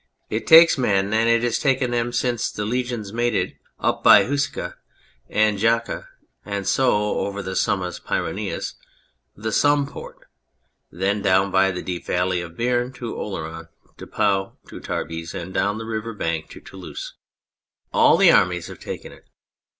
It takes men, and has taken them since the legions made it, up by Huesca and Jaca and so over the Summus Pyrenaeus, the " Somsport," then down by the deep valley of Beam to Oloron, to Pau, to Tarbes, and down the river bank to Toulouse. 266 On Two Towns All the armies have taken it.